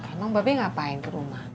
emang babi ngapain ke rumah